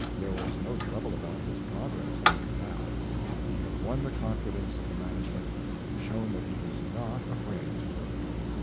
There was no trouble about his progress after that. He had won the confidence of the management and shown that he was not afraid to work.